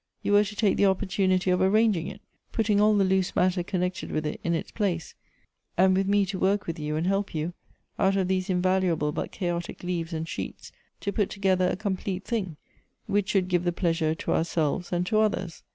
You were to take the opportu nity of arranging it, putting all the loose matter connected with it in its place; and with me to work with you and help you, out of these invaluable but chaotic leaves and sheets to pui together a complete thing, whicli should give pleasure to ourselves and to others.